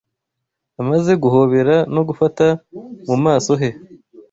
Amaze guhobera no gufata mu maso he